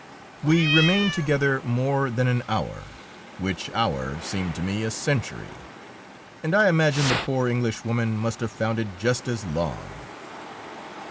We remained together more than an hour, which hour seemed to me a century, and I imagine the poor Englishwoman must have found it just as long.